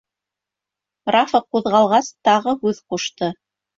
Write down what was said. Рафа ҡуҙғалғас, тағы һүҙ ҡушты.